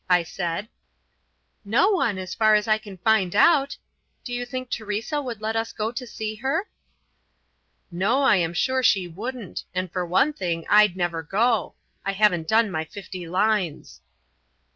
I said. "No one, as far as I can find out. Do you think Teresa would let us go to see her?" "No, I am sure she wouldn't, and for one thing, I'd never go. I haven't done my fifty lines."